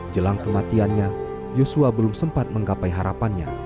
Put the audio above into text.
jelang kematiannya yosua belum sempat menggapai harapannya